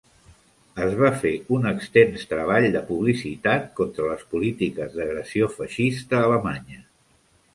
Es va fer un extens treball de publicitat contra les polítiques d'agressió feixista alemanya.